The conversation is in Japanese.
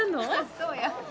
そうや。